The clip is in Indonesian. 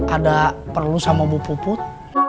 ada perlu sama bu put